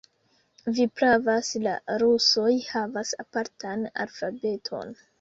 Vi pravas; la rusoj havas apartan alfabeton.